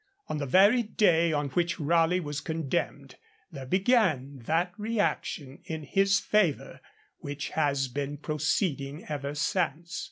On the very day on which Raleigh was condemned, there began that reaction in his favour which has been proceeding ever since.